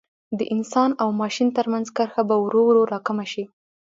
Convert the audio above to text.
د انسان او ماشین ترمنځ کرښه به ورو ورو را کمه شي.